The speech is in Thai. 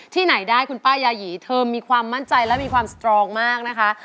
ไหนได้คุณป้ายาหยีเธอมีความมั่นใจและมีความสตรองมากนะคะ